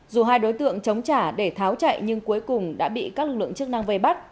dù hai đối tượng chống trả để tháo chạy nhưng cuối cùng đã bị các lực lượng chức năng vây bắt